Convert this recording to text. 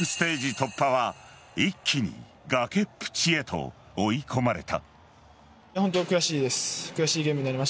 突破は一気に崖っぷちへと追い込まれた。